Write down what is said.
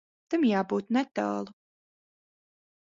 Tam jābūt netālu.